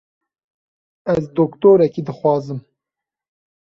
Ez doktorekî dixwazim.